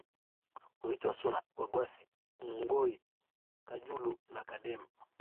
huitwa Suna Wagwasi Ungoe Kajulu na Kadem